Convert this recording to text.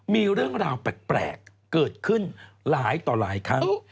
มีเรื่องราวแปลกเกิดขึ้นหลายต่อหลายครั้ง